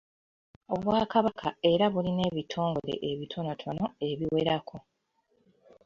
Obwakabaka era bulina ebitongole ebitonotono ebiwerako.